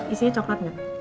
isinya coklat gak